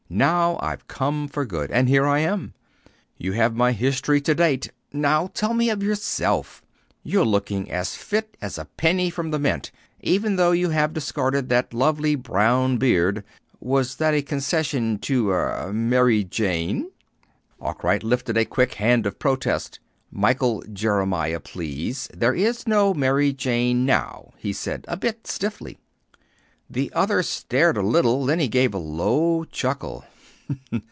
Now I've come for good, and here I am. You have my history to date. Now tell me of yourself. You're looking as fit as a penny from the mint, even though you have discarded that 'lovely' brown beard. Was that a concession to er Mary Jane?" Arkwright lifted a quick hand of protest. "'Michael Jeremiah,' please. There is no 'Mary Jane,' now," he said a bit stiffly. The other stared a little. Then he gave a low chuckle.